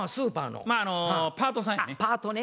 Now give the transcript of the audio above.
まあパートさんやね。